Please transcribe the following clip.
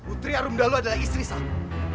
putri arumdalu adalah istri saya